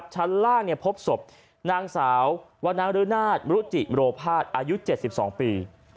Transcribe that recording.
ชั้นล่างพบศพนางสาววรณรือนาศมรุจิโรภาสอายุ๗๒ปี